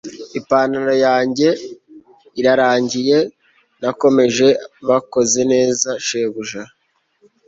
ipantaro yanjye irarangiye, nakomeje. bakoze neza shebuja